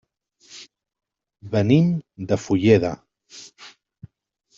Venim de Fulleda.